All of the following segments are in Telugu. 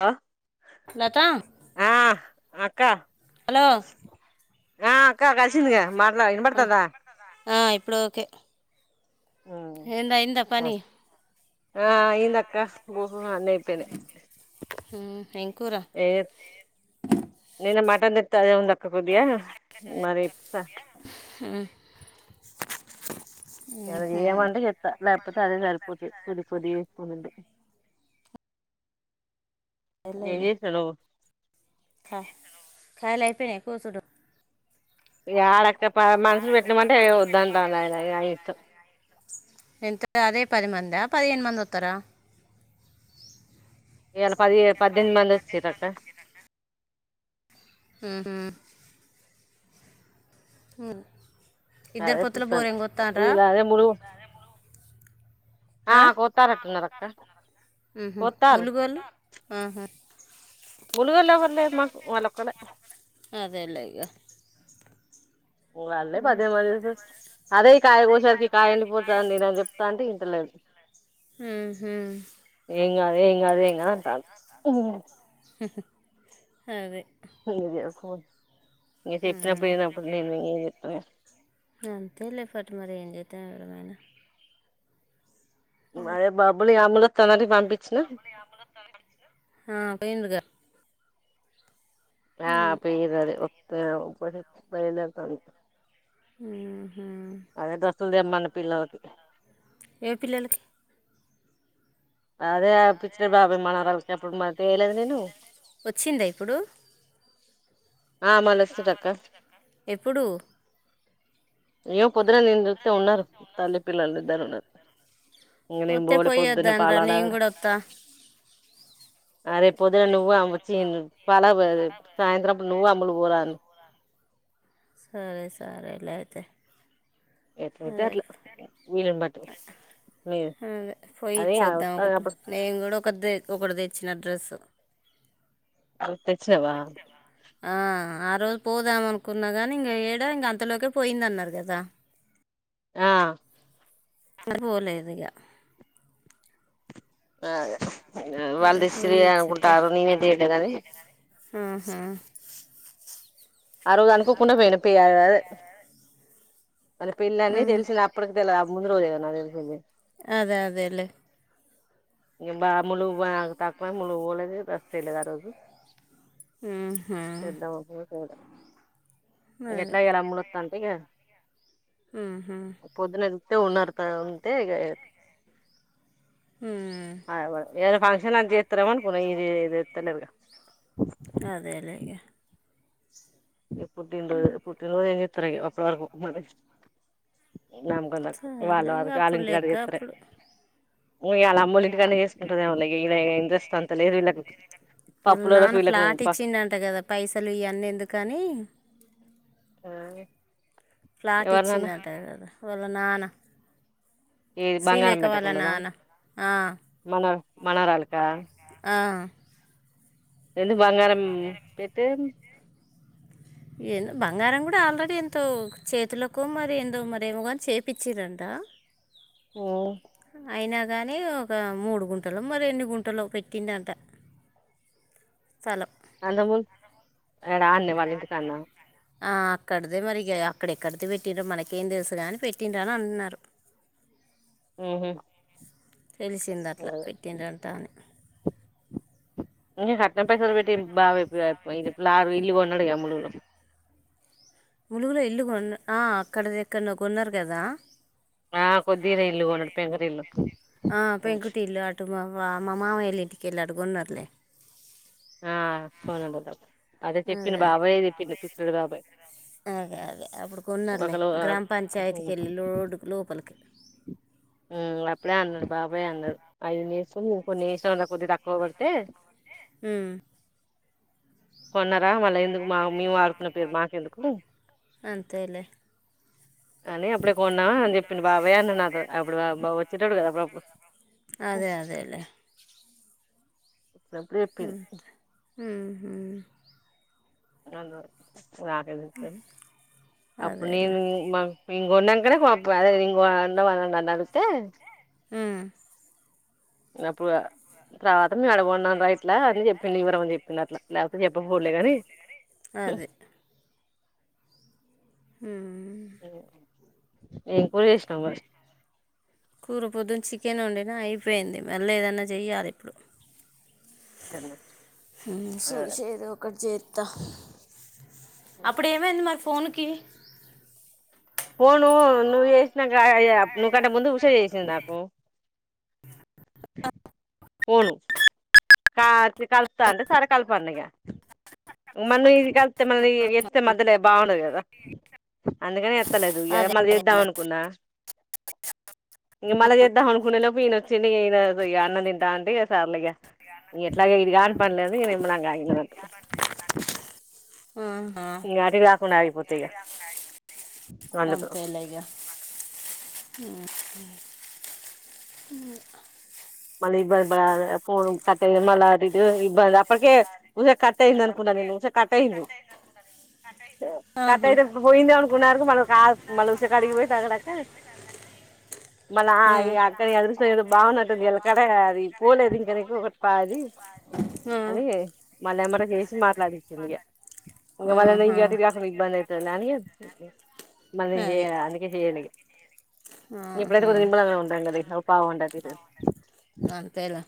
అ లత అక్క హలో ఆ అక్క కలిసిిందగా మట్లా ఇన్బడతుందా ఇప్పుడు ఒకే ఎంద్ ఐందా పని ఆ అయింద అక్క కూపమ అన్ని అయి పోయిని మ్ ఎం ఏ నిన్న మాటంద తదెఉంద అక్క కబ్బియ మరే ఇన్ ఫ్యాక్ట్ ఇయల జయమంట చెత్తా లేపోతే అది సరిపోతుంది. కొది కొొది వంది ఏవి చడ కాయలైపొయా కోసుడు యార్క్కప్ప మనుషులు పెట్నమంటే అయేఏ పోతాంద్దంట ఎంత అదే పది మందా పదిహేను మంది వత్తారా ఈ ఏళ పది పద్దెనిమిది మంది వచ్చిరంటా ఉహూ ఆ అదే చూసిన వీళ్లు ములు, ఆ కొత్తారు ఉన్నట్టుంది అక్క కోతారు ములుగోళ్ళు ఆహా. ములుగోలు ఎవరు లేరు మాకు వాళ్ళు ఒకలే అదేలే ఇక వాళ్లే పదిహేను మది అదే ఈ కాయ కోసరికి కాయ ఎండిపోతంది నేను చెప్తా అంటే ఇంటలేదు ఉహు. ఏం కాదు ఏం కాదు ఏం కాదు అంటారు ఉహు, అదే [unintelligible] చెప్పినప్పుడు వినప్పుడు నేను ఏం చెప్తాను అంతే లే పాటు మరి ఏం చె తే ఎవరినైనా అదే బబ్లు ఇగ అమ్ములు వత్తాది అంటే పంపించిన, ఆ, పోయిండుగా ఆ ఉమ్. పోయిరు అదే ఒత్త పోతే పోయినట్టు అని, ఉహు డ్రస్సులు తెమ్మన్న పిల్లలకి ఏ పిల్లలకి, అదే పిచ్చిరావు బాబాయ్ మనమరాళ్ళు ఎప్పుడు మరితెలేదు నేను, వచ్చిందా ఇప్పుడు ఆ మల్ల వస్తురు అక్క ఎప్పుడు ఏం పొద్దున నిను చూస్తే ఉన్నారు తల్లి పిల్లలు ఇద్దరు ఉన్నారు ఇంక నేను వస్తే పోలే పొద్దున్న పాల పోయొద్దానరా నేను హడావుడి. కూడా వస్తా అ రేపు పొద్దున నువ్వు వచ్చి పాల సాయంత్రంప్పుడు నువ్వు అమ్ములు పోరాదులి, సరే సరే లేఅయితే ఎట్లయితే అదే అట్లా వీలుని బట్టి మీ అదే పోయి అది ఇచ్చి వాదం ఒకటి వత్తన్నప్పుడు నేను కూడా ఒకటి డ్రె తే ఒకటి తెచ్చిన డ్రస్సు [unintelligible] ఆ ఆ రోజు పోదాంనుకున్నా కానీ ఇంక ఏడా ఇంక అంతలోకే పోయిందన్నారు కదా ఆ అట్లాపోలేదిగా అదే వాళ్ళు పోయి తెస్తురి ఇచ్చితే అనుకుంటారు నేనే తేలేదు అని ఆ ఆ రోజు అనుకోకుండా పోయినా పె అదే పెళ్లి అని ఉమ్. తెలిసింది అప్పటికి తెలువ ముందు రోజేగా తెలిసింది, అదే అదేలే ఇగ బా అమ్ములు తక్కువ అమ్ములు పోలేదుడ్రెస్ తేలేదు ఆ రోజు ఉహు. పెద్దమ్మ కూడా పోలేదు అదే ఎట్లా ఇయ్యలా అమ్ములువాతటే ఇగ ఉహు. పొద్దున సూతే ఉన్నారు ఉంటే, ఉమ్. ఆ ఏదో ఫంక్షన్ లాంటి చేస్తారేమో అనుకున్న ఇగ చేస్తలేరుగా, అదేలే ఇక ఈ పుట్టినా రోజు పుట్టిన్ రోజు ఏం తరగ ఒక ఇప్పుడు వరకు నమ్గందకు వాళ సరేలే ఇంక అకి వాల అప్పుడు ఇంటికాడ లెక్క చేస్తారే అప్పుడు ఇంట్రెస్ట్ అంత లేదు వీళ్ళకు వాళ్ళ పప్పులోళ్ళకి నాన్న వీళ్ళకు ఫ్లాట్ ఇచ్చిండ అంట కదా పైసలు ఇవన్నీ ఎందుకు కానీ ఆ ఫ్లాట్ ఇచ్చిండంట కదా వాళ్ళ నానా ఏది బంగారం పెట్టకుండనా ఆ, మన మనవరాలకా అ వెండి బంగారం పెట్టే అంటే ఆల్రెడీ ఎంతో చేతులకు మరి ఎందో మరేమో కాని చేపిచ్చిరంట హ్మ్ అయినా గానీ ఒక మూడు గుంటలో మరి ఎన్ని గుంటలో పెట్టిండట త అందము యాడ ఆన్నే వాల్ల ఇంటి కాన్న ఆ అక్కడిదే మరి ఇగ అక్కడెక్కడితే పెట్టిండ్రో మనకేం తెలుసు కాని పెట్టిండ్రని అని అన్నారు హ్మ్ హు తెలిసింది అట్లా పెట్టిండ్రంట అని ఓన్లీ కట్నం పైసలు పెట్టి బా ప్లా ఇల్లు కొన్నాడుగా ములుగు లో ములుగులో ఇల్లు కొన్ ఆ అక్కడ ఎక్కన్నో కొన్నారు కదా ఆ కొద్దిగనే ఇల్లు కొన్నడు పెంకుటిల్లు ఆ పెంకుటిళ్లు అటు మా మా మామయ్యోల్ల ఇంటికెళ్లి అ కొన్నార్లే ఆ సోన బుద అదే బాబాయ్ అదే అదే అప్పుడు కొన్నార్లే ఒకలు గ్రామ పంచాయతీకెళ్ళి రోడ్డు లోపలికి వె హ్మ్ అప్పుడే అన్నాడు బాబాయే అన్నాడు అవి నేసుకొని కొన్ని ఏసిన రా కొద్ది తక్కువ పడితే హ్మ్ కొన్నార మళ్ళా ఎందుకు మా మేం వాడుకున్న పేరు మాకెందుకు అంతేలే కానీ అప్పుడే కొన నా చెప్పిండు బాబాయే అ నాతో అప్పుడు బ వ ట్టాడు కదా అప్పుడప్పుడు అదే అదేలేే అప్పుడు చెప్పిండు హ్మ్ హ్మ్ హ్మ్ నందరు నాకేం తెలుసు అప్పుడు అదేలే నేను ఉ మా మేం కొన్నాకనే మాక్ అదే ఉన్నాన్న అడిగితే ఉ అప్పుడ తర్వాత మేము అడగోన్నాం రా ఇట్లా అని చెప్పి వివరంమని చెప్పింది అట్లా లేకపోతే చెప్పంపోవులే కని హు ఎం కూర చేసినవ్ కూర పొద్దున చి కేన్ వండిన అయిపోయింది మళ్ళీ ఏదన్నా చెయాలి ఇప్పుడు సూషి ఏదో ఒకటి జే త్త అప్పుడు ఏమైంది మరి ఫోన్ కే ఫోను నువ్ చేసినాక నీకంటే ముందు ఉషా చేసింది నాకు ఫోను కా కలుపుతా అంటే సరే కలుపు అన్నగా మరినువ్ ఇడ్ డికీ కలిపుతే ఏ ఎత్తుతే మధ్యల బాగుండది కదా అందుకని ఎత్తలేదు ఇగ అదే మళ్ళీ అదే చేద్దాం అనుకున్నా ఇగ మళ్ళీ చేద్దాం అనుకునే లోపు ఈయన ఒచ్చిండూ ఈన ఇగ అన్నం తింటా అంటే ఇగ సర్లేగా ఎట్లాగో ఇది ఇగ కాని పనిలే అని ఇగ నిమ్మళంగా అగిన అన్నట్టు ఆహా, అటిఇటూ కాకుండా ఆగిపోతయి ఇగ అందుకు అంతేలే ఇక [unintelligible] మళ్ళీ ఇబ్బంది పడాల ఆ ఫన్ కట్ అయి మల్ల అటు ఇటు ఇబ్బంద ఇప్పటికే ఉష కట్ అయింది అనుకున్న నేను ఉషా కట్ అయింది కట్ ఆహా. అయితే పోయిండెమో అనుకున్నా మన కాదు మళ్ళ ఉష కాడికి పోయి టకటక మళ్ళా ఆ ఉమ్. అక్కని నీ అదృష్టం ఏదో బాగున్నట్టుంది క్కడ అది పోలేదు నీకొకటి పాది ఆ అని మళ్ళీ ఎమ్మటే చేసి మాట్లాడించింది ఇగ ఇంక మళ్ళ ఆహా ఇంగ అటుఇటు కాకుండా ఇబ్బంది అయితుందని మళ్ళీ చే అది అందుకే చెయలే ఇప్పుడైతే ఆహా కొద్దిగా నిమ్మళంగా ఉంటాం కదా పావు గంట అటుఇటు అంతేలే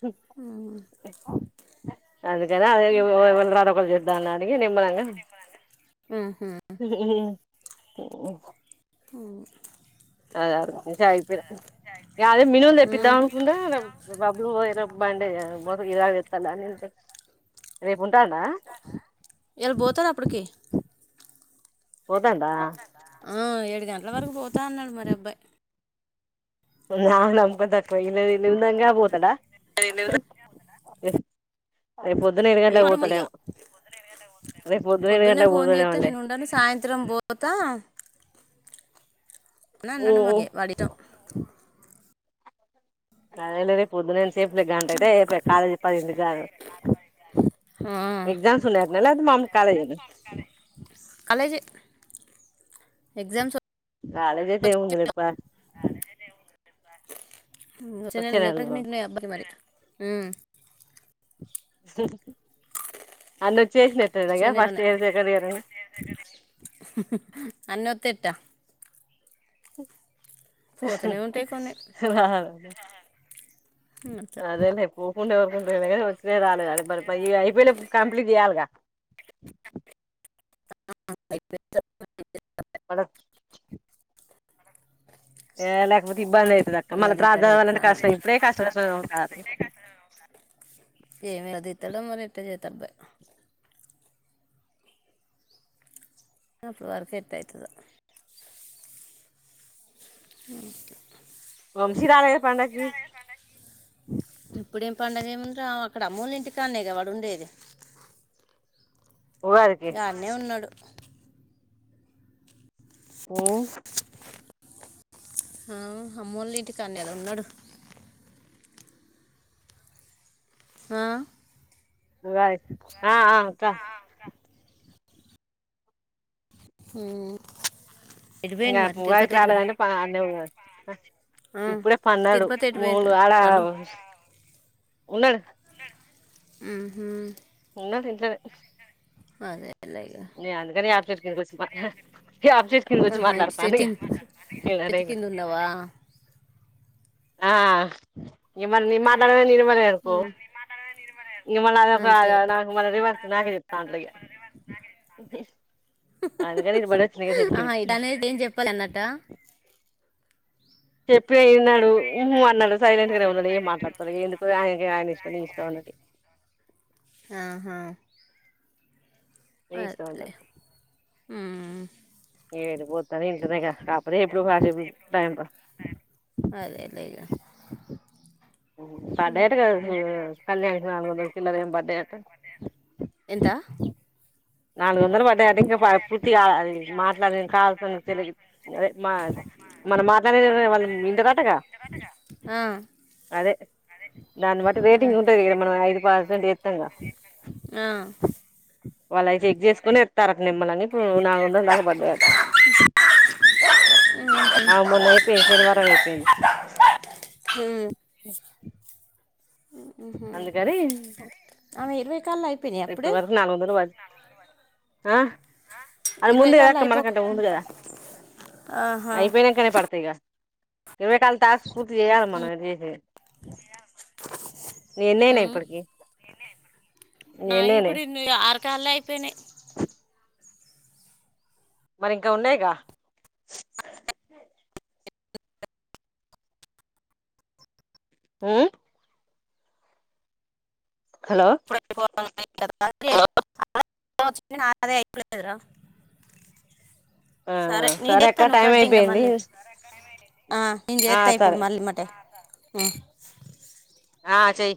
హు అందుకనే అది ఎ ఎవరు ఒకలు తరువాత ఒకలు చేద్దామనిలే ఇగ నిమ్మలంగా ఉహు ఊ ఉహ్ అద అద్ అదే మినుములు ఉమ్ తెప్పిద్దాం అనుకుంన్న బబ్లూ పోయెలోపు బండే మొత్తం ఇలాగ తెస్తాలా రెప్ ఇలా పోతారు అప్పటికి పోతాండా ఆ ఏడు గంటల వరకు పోతా అన్నడు మరి అబ్బాయి నా నమ్కొాకువ ఇల్ ని దంగా అపోతడా అదే లే అ య రేపు పొద్దున ఏడు పొద్దున్నే గంటలకు ఫోన్ చేస్తే పోతాడేమండి నేను ఉండను సాయంత్రం పోతా అ అన్నడమాకే వాడిటం కానీల ర పొద్దునంత సేఫ్ గా అంట అయితే కాలేజ్ పదిడు కారు ఆ ఎగజామ్స్న్నాన్నా మామ్ కాలజ ఏనా కాలేజీ ఎగ్జామ్స్ కాలేజేతే ఉందిలేప్ప నెలలో అబ్బా మరి అ జ అ నువ్ చేసినట్టులాగ వచ్చే ఫస్ట్ నెలనే ఇయర్ సెకండ్ ఇయర్ అని అన్నత్ెట ఉంటాయి ఎస్ కొన్ని ఉమ్, అట్లా అదేలే పోకుంే వరుకు వచ్చినా రాలేదు అద అయిపోయిలే కంప్లీట్ చేయాలిగా వాండకు ఏల తే ఇబ్బంది అవుతుంది తక్క ఎట్లా మళ్ళా త్రా తీస్తాడో అాలంటే ఎట్లా అని కష్టం ఇప్పుడే కష్టష్ట ఉంటారు ఎ తెడం మరి ఎట్ట చేతాడబ్ బాయి్ అప్పుడు వరకు ఎట్లయితాదో అక వంశి రాలే పండక్కి రాం అక్కడ అమ్మూలి ఇంటికా అన్న కబడు ఉండేది ఉగాదికి నే ఉన్నాడు ఆఓ అమ్మోలు ఇంటి కాన్నద ఉన్నాడు ఆ యి ఆ ఆ హ ఇంగా ఉగాదికి రాలేదంటె పా అన్నే న్నడు ఆ ఇప్పుడె పన్నాడు తిరుపతి ఎటు పోయిండు ములు రా ఆడ పండు ఉన్నడు ఉహు న్నడ్ ఇంట్లనె అదె నే అంకనే యప చట్ కింద కోచ్చి పన్నా యాప్ చెట్ కింద కూచ్చి ఆహా ఇటు చెట్టు మాట్లాడతానిగా గదే చెట్టు ఇ కింద ఉన్నావా ఆ ఇగ మళ్ళీ నీ మాట్లాడ ఇనల్నుకో మళ్ళ ఎకు ఉమ్ ఇగా మళ్ళ అదొక అంతే నాక్ మళ్ళ రివర్స్ నాక చెప్తాను అట్లాగ అందుకనే ఇటుబడి ఒచ్చిన ఇగ చెట్టు ఆహా కిందికి ఇటు అనేది ఏం చెప్పాలి అన్నట్ట చెప్ పీ నడూ ఉహు అన్నడు సైలెంట్ గనే ఉన్నడు ఏం మాట్లాడతలె ఎందుకు ఆయ ఆయని ఇష్టం నీ ఇష్టం అన్నది అహా నీ అ ఇష్టం దే అన్నట్టు ఊ ఏడిపోతా ఇంట్లనే గా కాపోతె ఎప్పుడు కాశేప్ అదదేగా పద్దయట గద పన్నెండు నాలుగందల చిల్లారెమ్ పడ్డయట ఎంత పూర్తి కాలే అది మాట్లాడిన కాల్స్ అదే మా మనం మాట్లాడేది వాళ్ళు ఆ అదె దాన్ని బట్టి రేటింగ్ ఉంటుంది గా మనం ఐదు పర్సెంట్ ఏస్తంగా ఆ వల్లై చెక్ చేస్కోని ఎత్తర నిమ్మల్లాంగ్ ఇప్పూ నాలుగొందల దాకా బడ్డయట ఆ మోన్న ఐపేంది శనివారం ఐపేంది హ్మ్ ఆమె ఇర్వై కాల్లై ఇప్పటి వరకు నాలుగొందల్ బడ్ ఆ అది ఇరవై ముందు గదా కాళ్ళు అక్క అయిపోక మనకంట ముందు గదా ఆహా ఇపోనంకనే పడతాయ్ గా క వ కాల తస్ పూర్తిజేయల మనం ఎటుజే ఉమ్ నా నీయి ఎన్నయినాయి ఇప్పుడు ఇవి ఆరకాల్లే ఐపేనాయ్ [inaudible] మరి ఇంకా ఉన్నయ్గా ఉమ్ హలో ఇప్పు డ్ ఐ పో లె ఎ కతా నా అదే అయిపోలేదురా ఆ నేను సరే చేత్తా అక్క నువ్వు టైం కట్ చెయ్ ఇంగ అయిపోయింది మళ్ళీ ఆ నేను ఆ చేస్తా ఇప్పుడు సరే మళ్ళీ మటే ఏ ఆ చెయ